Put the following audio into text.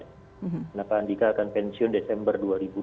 karena pak andika akan pensiun desember dua ribu dua puluh dua